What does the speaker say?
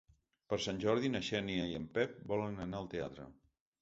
Per Sant Jordi na Xènia i en Pep volen anar al teatre.